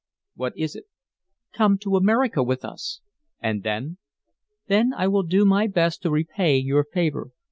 "What is it?" "Come to America with us " "And then?" "Then I will do my best to repay your favor.